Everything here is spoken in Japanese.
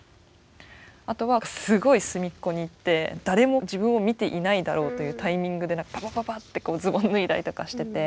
あとはすごい隅っこに行って誰も自分を見ていないだろうというタイミングでパパパパッてズボン脱いだりとかしてて。